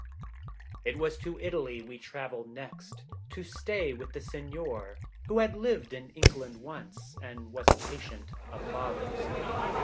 It was to Italy we travelled next, to stay with the Signor, who had lived in England once, and was a patient of Father's.